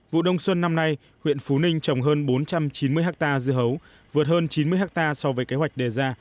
vụ đông xuân năm nay huyện phú ninh trồng hơn bốn trăm chín mươi hectare dưa hấu vượt hơn chín mươi hectare so với kế hoạch đề ra